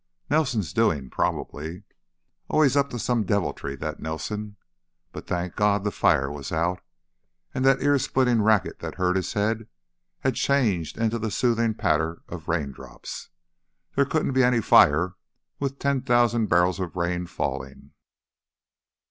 Nelson's doings, probably. Always up to some deviltry, that Nelson. But, thank God, the fire was out, and that ear splitting racket that hurt his head had changed into the soothing patter of raindrops. There couldn't be any fire with ten thousand barrels of rain falling.